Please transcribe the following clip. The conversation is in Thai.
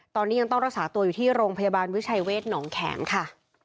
ตอนนี้ยังต้องรักษาตัวอยู่ที่โรงพยาบาลวิชัยเวทหนองแขมค่ะ